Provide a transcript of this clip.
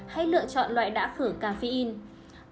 hãy lựa chọn loại đã khởi caffeine